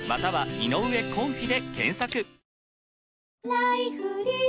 「ライフリー」